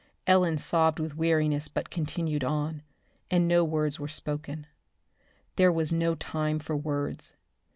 Ellen sobbed with weariness but continued on, and no words were spoken. There was no time for words.